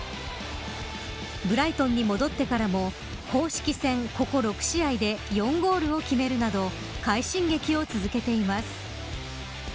ブライトンに戻ってからも公式戦、ここ６試合で４ゴールを決めるなど快進撃を続けています。